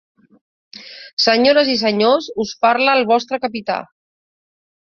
Senyores i senyors, us parla el vostre capità.